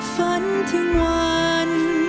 ฝันถึงวัน